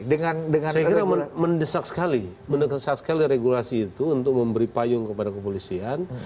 saya kira mendesak sekali mendesak sekali regulasi itu untuk memberi payung kepada kepolisian